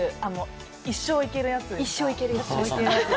一生いけるやつですか？